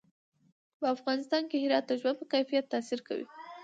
په افغانستان کې هرات د ژوند په کیفیت تاثیر کوي.